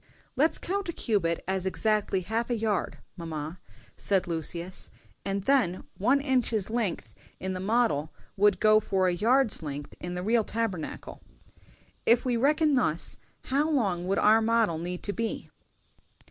"Let's count a cubit as exactly half a yard, mamma," said Lucius, "and then one inch's length in the model would go for a yard's length in the real Tabernacle. If we reckon thus, how long would our model need to be?"